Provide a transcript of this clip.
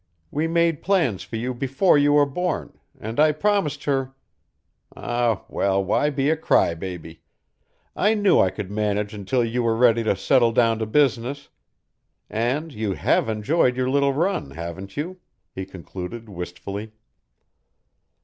We made plans for you before you were born, and I promised her ah, well, why be a cry baby? I knew I could manage until you were ready to settle down to business. And you HAVE enjoyed your little run, haven't you?" he concluded wistfully.